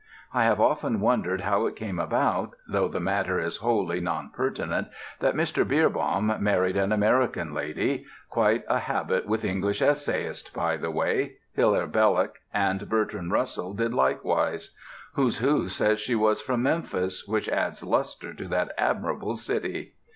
I have often wondered how it came about (though the matter is wholly nonpertinent) that Mr. Beerbohm married an American lady quite a habit with English essayists, by the way: Hilaire Belloc and Bertrand Russell did likewise. Who's Who says she was from Memphis, which adds lustre to that admirable city.